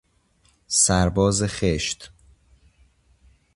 سرباز خشت